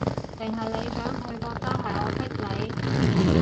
定係你想佢覺得，係我逼你